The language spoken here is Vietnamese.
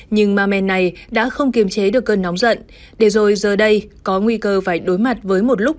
nhưng ma men này đã không kiềm chế được cơn nóng giận để rồi giờ đây có nguy cơ phải đối mặt với một lúc